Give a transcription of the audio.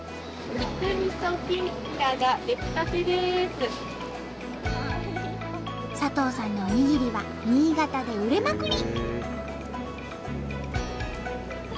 すごい！佐藤さんのおにぎりは新潟で売れまくり！